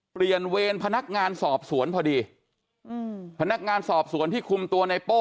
เวรพนักงานสอบสวนพอดีอืมพนักงานสอบสวนที่คุมตัวในโป้